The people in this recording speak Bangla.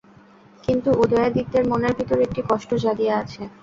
কিন্তু উদয়াদিত্যের মনের ভিতর একটি কষ্ট জাগিয়া আছে।